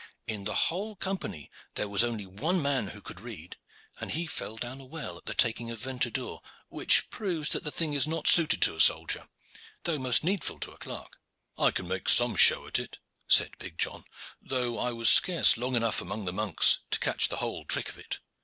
In the whole Company there was only one man who could read, and he fell down a well at the taking of Ventadour, which proves that the thing is not suited to a soldier, though most needful to a clerk." "I can make some show at it," said big John; "though I was scarce long enough among the monks to catch the whole trick of it.